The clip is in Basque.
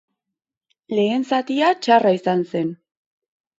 Lehen zatia txarra izan zen.